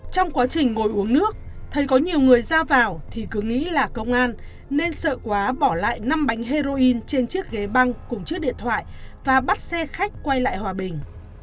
trong quá trình ngồi uống nước thấy có nhiều người ra vào thì cứ nghĩ là công an nên sợ quá bỏ lại năm bánh heroin trên chiếc ghế băng cùng chiếc điện thoại và bắt xe khách quay lại hòa bình